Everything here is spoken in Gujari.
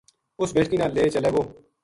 اس بیٹکی نا لے چلے گو